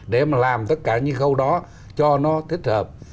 để mà làm tất cả những khâu đó cho nó thích hợp